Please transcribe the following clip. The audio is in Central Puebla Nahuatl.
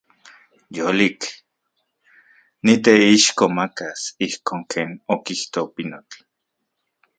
Yolik. Niteixkomakas ijkon ken okijto pinotl.